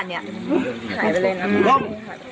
เชิญปู่